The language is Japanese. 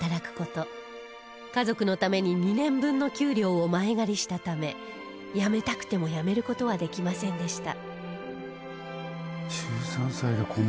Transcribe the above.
家族のために２年分の給料を前借りしたため辞めたくても辞める事はできませんでした